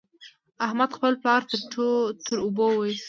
احمد خپل پلار تر اوبو وېست.